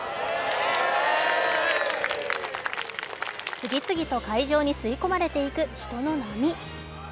次々と会場に吸い込まれていく人の波。